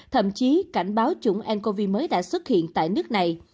thậm chí cảnh báo chủng ncov mới đã xuất hiện tại nước này